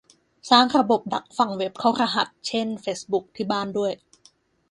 สร้างระบบดักฟังเว็บเข้ารหัส เช่น เฟซบุ๊ก ที่บ้านด้วย